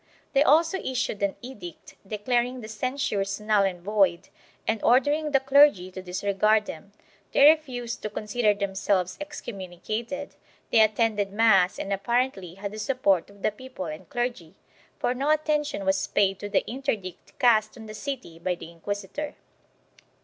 They also issued an edict declaring the censures null and void and ordering the clergy to disregard them; they refused to consider themselves excommunicated, they attended mass and apparently had the support of the people and clergy, for no atten tion was paid to the interdict cast on the city by the inquisitor.